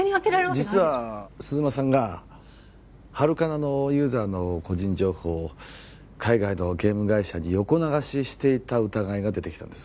実は鈴間さんがハルカナのユーザーの個人情報を海外のゲーム会社に横流ししていた疑いが出てきたんです